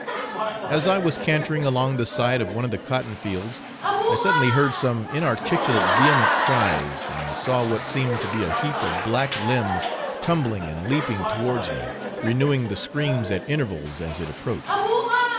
As I was cantering along the side of one of the cotton fields I suddenly heard some inarticulate vehement cries, and saw what seemed to be a heap of black limbs tumbling and leaping towards me, renewing the screams at intervals as it approached.